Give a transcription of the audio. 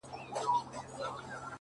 • اوس به څوك اوري آواز د پردېسانو,